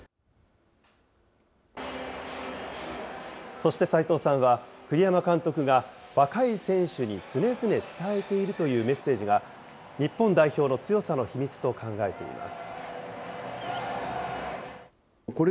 そして齋藤さんは、栗山監督が若い選手に常々伝えているというメッセージが日本代表の強さの秘密と考えています。